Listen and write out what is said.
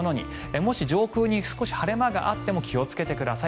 もし上空に晴れ間があっても気をつけてください。